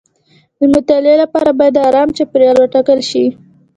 د مطالعې لپاره باید ارام چاپیریال وټاکل شي.